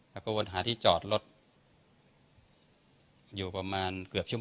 แล้วก็วนหาที่จอดรถอยู่ประมาณเกือบชั่ว